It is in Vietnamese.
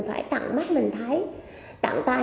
phải tặng mắt mình thấy tặng tay